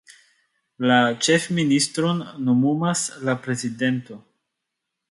La ĉefministron nomumas la prezidento.